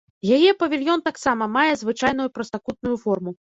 Яе павільён таксама мае звычайную прастакутную форму.